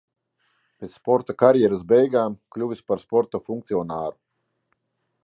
Pēc sportista karjeras beigām kļuvis par sporta funkcionāru.